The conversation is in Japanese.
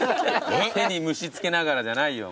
手に虫付けながらじゃないよ。